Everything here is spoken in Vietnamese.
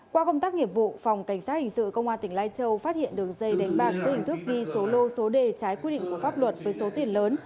qua công tác nghiệp vụ phòng cảnh sát hình sự công an tỉnh lai châu phát hiện đường dây đánh bạc dưới hình thức ghi số lô số đề trái quy định của pháp luật với số tiền lớn